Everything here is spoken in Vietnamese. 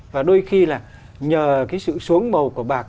và đôi khi là nhờ cái sự xuống màu của bạc